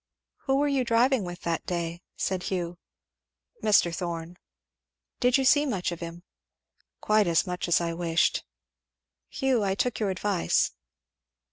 "Who were you driving with that day?" said Hugh. "Mr. Thorn." "Did you see much of him?" "Quite as much as I wished. Hugh I took your advice."